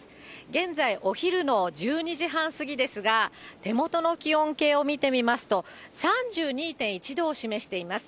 現在、お昼の１２時半過ぎですが、手元の気温計を見てみますと、３２．１度を示しています。